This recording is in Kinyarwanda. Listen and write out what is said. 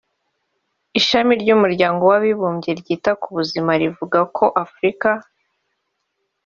Ishami ry’Umuryango w’Abibumbye ryita ku buzima rivuga ko Afrika